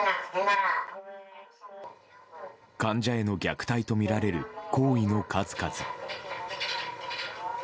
患者への虐待とみられる行為の数々。